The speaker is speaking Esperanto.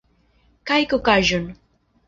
Kaj kokaĵon.